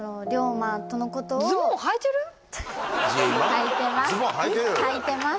はいてます